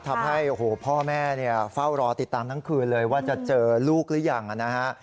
ทำให้โอ้โหพ่อแม่เนี่ยเฝ้ารอติดตามทั้งคืนเลยว่าจะเจอลูกหรือยังนะฮะ